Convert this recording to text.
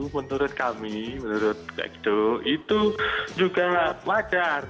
menurut kami menurut ekdo itu juga wajar